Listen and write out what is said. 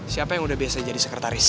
siapa yang udah biasa jadi sekretaris